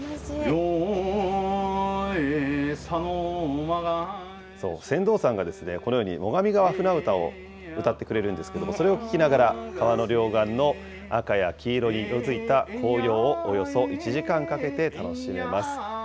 そう、船頭さんが、このように最上川舟歌を歌ってくれるんですけれども、それを聴きながら、川の両岸の赤や黄色に色づいた紅葉をおよそ１時間かけて楽しめます。